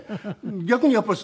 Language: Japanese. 逆にやっぱり。